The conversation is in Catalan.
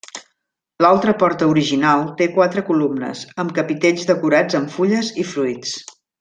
L'altra porta original té quatre columnes, amb capitells decorats amb fulles i fruits.